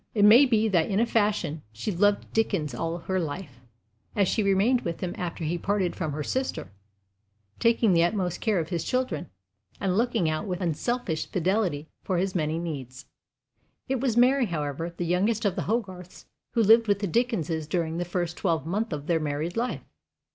It may be that in a fashion she loved Dickens all her life, as she remained with him after he parted from her sister, taking the utmost care of his children, and looking out with unselfish fidelity for his many needs. It was Mary, however, the youngest of the Hogarths, who lived with the Dickenses during the first twelvemonth of their married life.